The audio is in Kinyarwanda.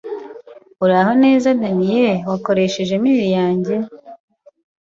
Uraho neza Daniel wakoresha email yajye